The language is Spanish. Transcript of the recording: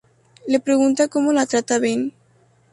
Le pregunta cómo la trata Ben.